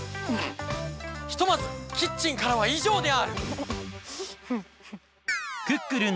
ひとまずキッチンからはいじょうである！